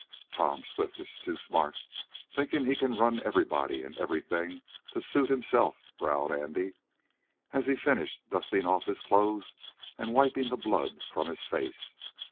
"Tom Swift is too smart thinking he can run everybody, and everything, to suit himself," growled Andy, as he finished dusting off his clothes, and wiping the blood from his face.